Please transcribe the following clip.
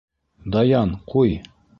Даян, ҡуй.